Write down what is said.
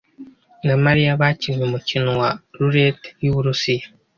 na Mariya bakinnye umukino wa roulette yu Burusiya.